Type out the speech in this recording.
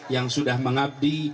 yang sudah mengabdi